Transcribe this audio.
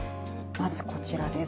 まずこちらです